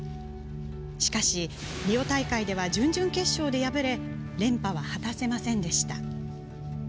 しかし、リオ大会では準々決勝で敗れ連覇は果たせませんでした。